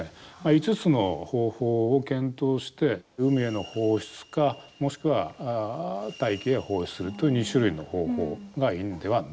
５つの方法を検討して海への放出かもしくは大気へ放出するという２種類の方法がいいんではないかと。